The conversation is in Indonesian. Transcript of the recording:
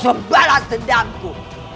ini ada ni